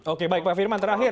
oke baik pak firman terakhir